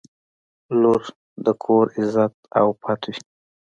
• لور د کور عزت او پت وي.